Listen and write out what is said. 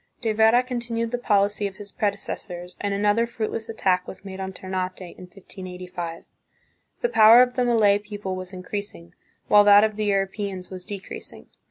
De Vera continued the policy of his predecessors and another fruitless attack was made on Ternate in 1585. The power of the Malay people was increasing, while that of the Europeans was decreasing.